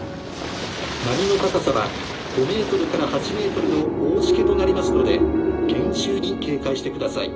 「波の高さは５メートルから８メートルの大時化となりますので厳重に警戒してください」。